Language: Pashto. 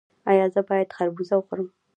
ایا زه باید خربوزه وخورم؟